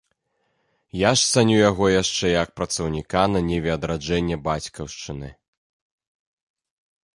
Я ж цаню яго яшчэ як працаўніка на ніве адраджэння бацькаўшчыны.